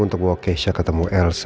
untuk worl keisha ketemu elsa